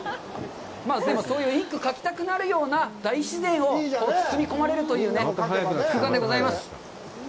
まあ、でも、そういう一句を書きたくなるような大自然を包み込まれるという空間でございます。